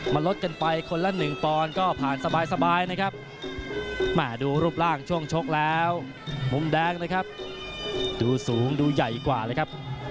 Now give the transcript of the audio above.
ลดกันไปคนละ๑ปอนด์ก็ผ่านสบายนะครับดูรูปร่างช่วงชกแล้วมุมแดงนะครับดูสูงดูใหญ่กว่าเลยครับ